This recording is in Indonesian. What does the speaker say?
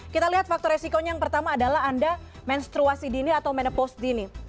kita lihat faktor resikonya yang pertama adalah anda menstruasi dini atau menepost dini